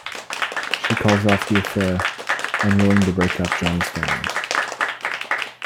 She calls off the affair, unwilling to break up Johnny's family.